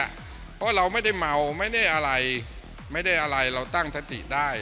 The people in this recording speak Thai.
เพราะว่าเราไม่ได้เมาไม่ได้อะไรเราตั้งศักดิ์ได้